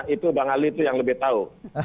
itu bang ali itu yang lebih tahu